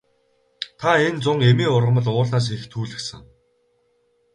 Та энэ зун эмийн ургамал уулнаас их түүлгэсэн.